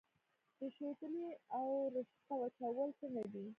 د شوتلې او رشقه وچول څنګه دي؟